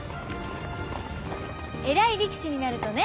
偉い力士になるとね